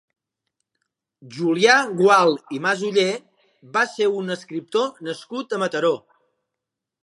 Julià Gual i Masoller va ser un escriptor nascut a Mataró.